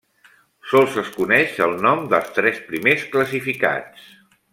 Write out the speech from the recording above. Sols es coneix el nom dels tres primers classificats.